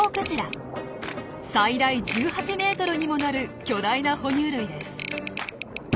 最大１８ｍにもなる巨大な哺乳類です。